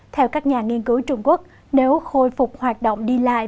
theo các nhà nghiên cứu trung quốc nếu khôi phục hoạt động đi lại